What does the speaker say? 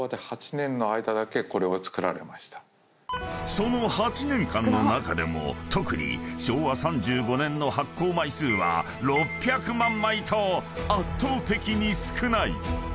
［その８年間の中でも特に昭和３５年の発行枚数は６００万枚と圧倒的に少ない］